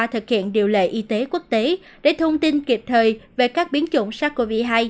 thực hiện điều lệ y tế quốc tế để thông tin kịp thời về các biến chủng sars cov hai